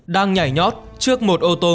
đang nhảy nhót trước một ô tô